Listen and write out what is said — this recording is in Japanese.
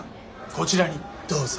こちらにどうぞ！